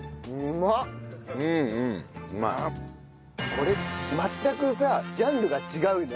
これ全くさジャンルが違うね。